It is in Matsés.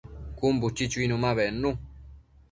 Cun buchi chuinu ma bednu